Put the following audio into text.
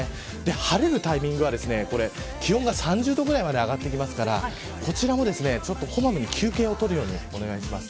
晴れるタイミングは気温が３０度ぐらいまで上がってきますからこちらもこまめに休憩を取るようにお願いします。